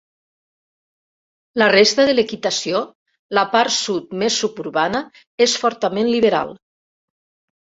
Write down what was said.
La resta de l'equitació, la part sud més suburbana és fortament liberal.